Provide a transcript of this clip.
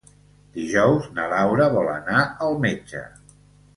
Dijous na Laura vol anar al metge.